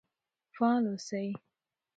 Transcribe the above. فعال اوسئ.